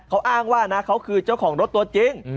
เขาอ้างว่านะเขาคือเจ้าของรถตัวจริง